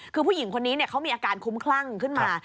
คือผู้หญิงคนนี้เขามีอาการคุ้มคลั่งขึ้นมา